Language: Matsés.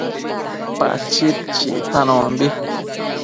Pachid chictanombi